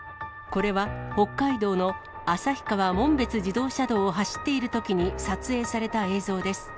これは北海道の旭川紋別自動車道を走っているときに撮影された映像です。